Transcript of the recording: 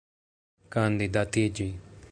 kandidatiĝi